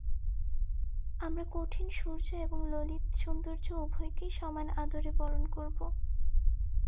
আমরা কঠিন শৌর্য এবং ললিত সৌন্দর্য উভয়কেই সমান আদরে বরণ করব।